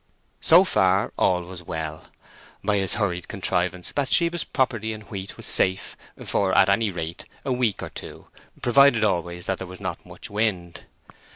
So far all was well. By this hurried contrivance Bathsheba's property in wheat was safe for at any rate a week or two, provided always that there was not much wind.